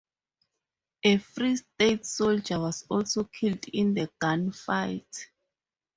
A Free State soldier was also killed in the gun fight.